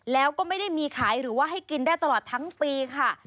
แล้วก็ไม่ได้มีขายหรือว่าให้กินได้ตลอดทั้งปีค่ะ